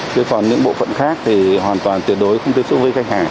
thế còn những bộ phận khác thì hoàn toàn tuyệt đối không tiếp xúc với khách hàng